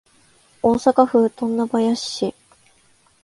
大阪府富田林市